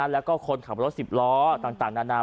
แล้วก็คนขับรถ๑๐ล้อต่างนานา